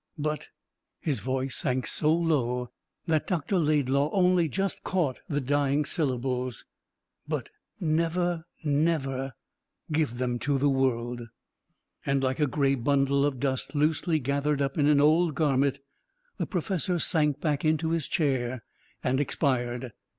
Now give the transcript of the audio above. But" his voice sank so low that Dr. Laidlaw only just caught the dying syllables "but never, never give them to the world." And like a grey bundle of dust loosely gathered up in an old garment the professor sank back into his chair and expired.